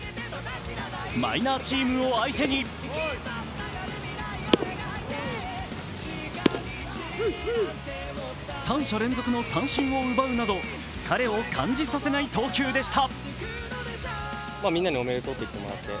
マイナーチームを相手に三者連続の三振を奪うなど疲れを感じさせない投球でした。